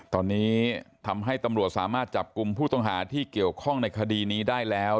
ตอนนี้ทำให้ตำรวจสามารถจับกลุ่มผู้ต้องหาที่เกี่ยวข้องในคดีนี้ได้แล้ว